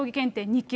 ２級、